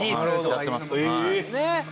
やってますはい。